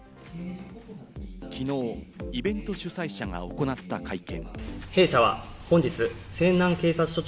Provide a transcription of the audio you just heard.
きのう、イベント主催者が行った会見。